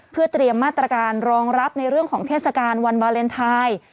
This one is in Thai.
เพื่อเตรียมมาตรการรองรับในเรื่องของเทศกาลวันวาเลนไทย